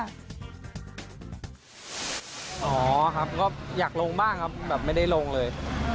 อ๋อครับก็อยากลงบ้างครับแบบไม่ได้ลงเลย